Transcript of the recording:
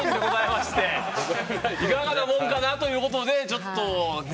いかがなもんかなということでちょっとね。